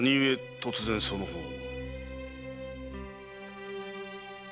突然その方に？